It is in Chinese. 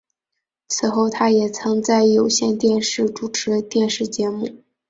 其后他也曾在有线电视主持电视节目。